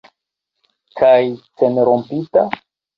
Kaj ĉenrompinta?